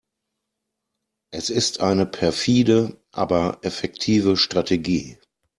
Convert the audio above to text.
Es ist eine perfide, aber effektive Strategie.